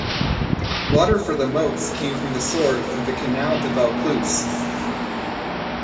Water for the moats came from the Sorgue through the Canal de Vaucluse.